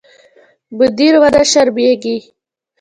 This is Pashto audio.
مدیر ونه شرمېږي.